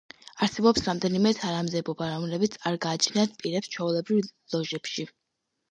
არსებობს რამდენიმე თანამდებობა, რომელიც არ გააჩნიათ პირებს ჩვეულებრივ ლოჟებში.